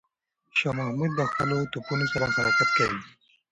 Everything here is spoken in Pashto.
شاه محمود د خپلو توپونو سره حرکت کوي.